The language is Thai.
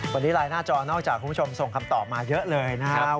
วันนี้ไลน์หน้าจอนอกจากคุณผู้ชมส่งคำตอบมาเยอะเลยนะครับ